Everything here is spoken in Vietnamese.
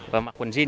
và mặc quần jean